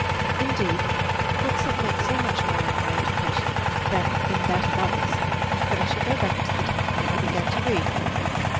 Indeed, books have meant so much more in my education than in that of others, that I shall go back to the time when I began to read.